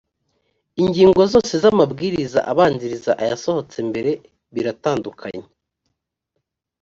ingingo zose z’ amabwiriza abanziriza ayasohotse mbere biratandukanye